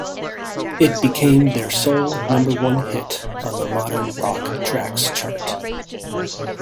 It became their sole number-one hit on the Modern Rock Tracks chart.